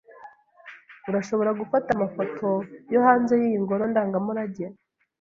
Urashobora gufata amafoto yo hanze yiyi ngoro ndangamurage,